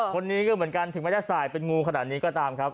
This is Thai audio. คนนี้ก็เหมือนกันถึงแม้จะสายเป็นงูขนาดนี้ก็ตามครับ